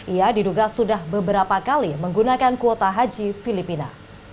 ia diduga sudah beberapa kali menggunakan kuota haji filipina